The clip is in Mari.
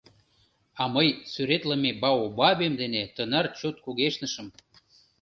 А мый сӱретлыме баобабем дене тынар чот кугешнышым!